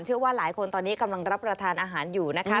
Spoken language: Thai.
เชื่อว่าหลายคนตอนนี้กำลังรับประทานอาหารอยู่นะคะ